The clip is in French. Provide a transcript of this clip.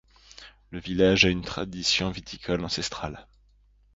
Le village a une tradition viticole ancestrale.